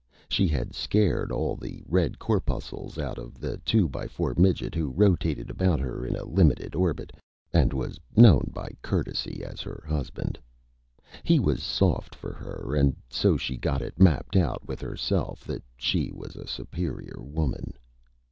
She had scared all the Red Corpuscles out of the 2 by 4 Midget who rotated about her in a Limited Orbit and was known by Courtesy as her Husband. He was Soft for her, and so she got it Mapped out with Herself that she was a Superior Woman.